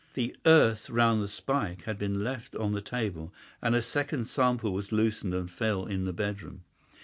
The earth round the spike had been left on the table, and a second sample was loosened and fell in the bedroom.